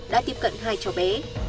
đã tiếp cận hai chó bé